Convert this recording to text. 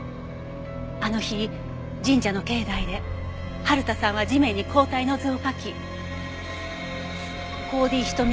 あの日神社の境内で春田さんは地面に抗体の図を描き抗Ｄヒト